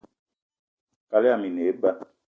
Kaal yama i ne eba